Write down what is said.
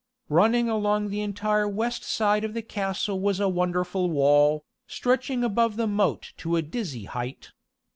Running along the entire west side of the castle was a wonderful wall, stretching above the moat to a dizzy height.